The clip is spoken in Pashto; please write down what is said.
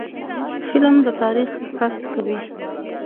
فلم د تاریخ عکاسي کوي